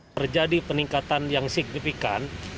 perjadi peningkatan yang signifikan